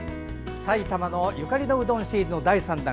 埼玉ゆかりのうどんシリーズ第３弾